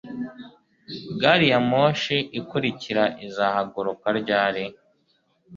Gari ya moshi ikurikira izahaguruka ryari